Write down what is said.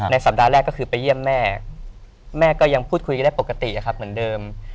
สัปดาห์แรกก็คือไปเยี่ยมแม่แม่ก็ยังพูดคุยกันได้ปกติเหมือนเดิม